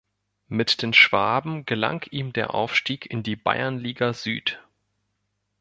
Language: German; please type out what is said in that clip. Mit den Schwaben gelang ihm der Aufstieg in die Bayernliga Süd.